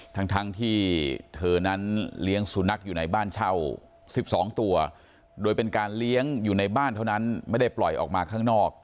ทั้งที่เธอนั้นเลี้ยงสุนัขอยู่ในบ้านเช่า๑๒ตัวโดยเป็นการเลี้ยงอยู่ในบ้านเท่านั้นไม่ได้ปล่อยออกมาข้างนอก